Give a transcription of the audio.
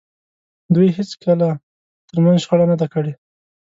دوی هېڅکله تر منځ شخړه نه ده کړې.